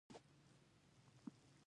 ورزش کول د بدن ټولو غړو ته ګټه رسوي.